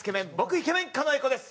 イケメン狩野英孝です。